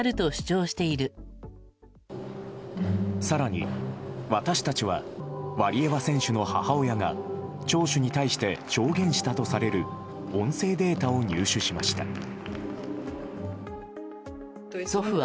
更に、私たちはワリエワ選手の母親が聴取に対して証言したとされる音声データを入手しました。